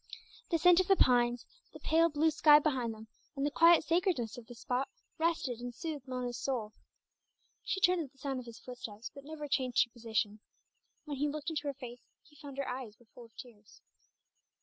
The scent of the pines, the pale blue sky behind them, and the quiet sacredness of the spot rested and soothed Mona's soul. She turned at the sound of his footsteps, but never changed her position; when he looked into her face he found her eyes were full of tears.